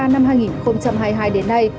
năm hai nghìn hai mươi hai đến nay